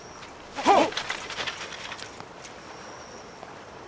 はっ！